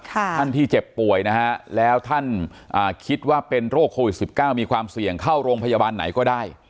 ท่านที่เจ็บป่วยนะฮะแล้วท่านคิดว่าเป็นโรคโควิด๑๙มีความเสี่ยงเข้าโรงพยาบาลไหนก็ได้